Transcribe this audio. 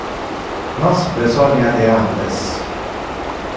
Nos besonia de ambes.